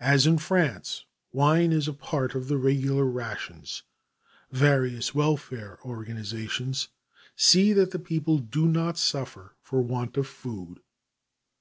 As in France, wine is a part of the regular rations. Various welfare organizations see that the people do not suffer for want of food.